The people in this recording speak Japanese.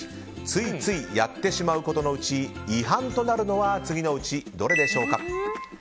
ついついやってしまうことのうち違反となるのは次のうちどれでしょうか？